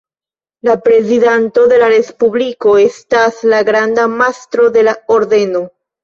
La prezidanto de la Respubliko estas la granda mastro de la Ordeno.